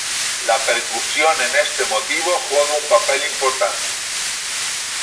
La percusión en este motivo juega un papel importante.